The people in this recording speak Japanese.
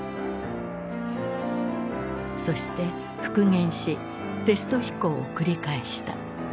そして復元しテスト飛行を繰り返した。